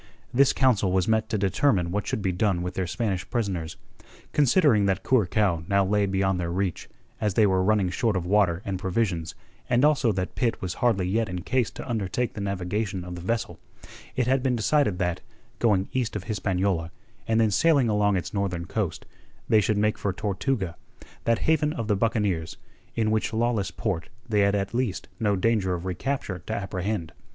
This council was met to determine what should be done with the Spanish prisoners. Considering that Curacao now lay beyond their reach, as they were running short of water and provisions, and also that Pitt was hardly yet in case to undertake the navigation of the vessel, it had been decided that, going east of Hispaniola, and then sailing along its northern coast, they should make for Tortuga, that haven of the buccaneers, in which lawless port they had at least no danger of recapture to apprehend.